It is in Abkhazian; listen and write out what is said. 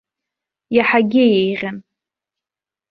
Иаҳагьы еиӷьын.